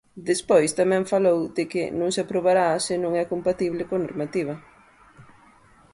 Despois tamén falou de que non se aprobará se non é compatible coa normativa.